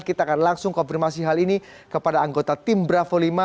kita akan langsung konfirmasi hal ini kepada anggota tim bravo lima